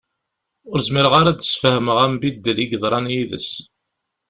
Ur zmireɣ ara ad d-sfehmeɣ ambiddel i yeḍran yid-s.